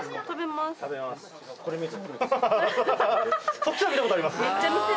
そっちは見た事あります。